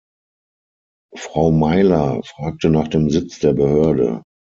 Frau Myller fragte nach dem Sitz der Behörde.